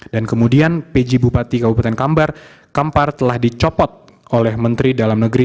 dan kemudian pj bupati kabupaten kampar telah dicopot oleh menteri dalam negeri